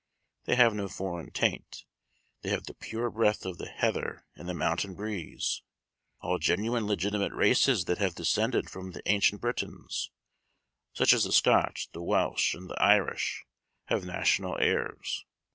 They have no foreign taint; they have the pure breath of the heather and the mountain breeze. All genuine legitimate races that have descended from the ancient Britons; such as the Scotch, the Welsh, and the Irish, have national airs.